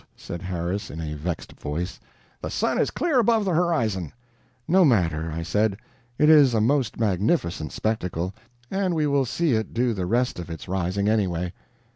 said Harris, in a vexed voice. "The sun is clear above the horizon." "No matter," I said, "it is a most magnificent spectacle, and we will see it do the rest of its rising anyway."